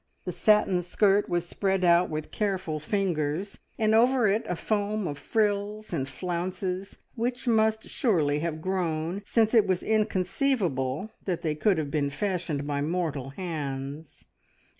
The satin skirt was spread out with careful fingers, and over it a foam of frills and flounces which must surely have grown, since it was inconceivable that they could have been fashioned by mortal hands.